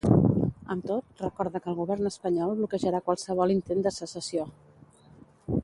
Amb tot, recorda que el govern espanyol bloquejarà qualsevol intent de secessió.